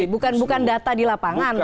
bukan data di lapangan